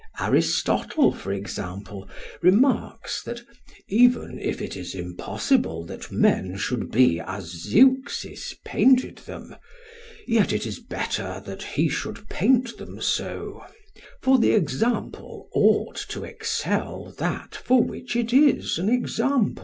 Aristotle, for example, remarks that "even if it is impossible that men should be such as Zeuxis painted them, yet it is better that he should paint them so; for the example ought to excel that for which it is an example."